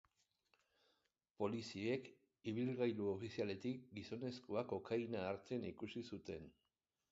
Poliziek ibilgailu ofizialetik gizonezkoa kokaina hartzen ikusi zuten.